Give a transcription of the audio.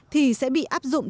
thì sẽ bị áp dụng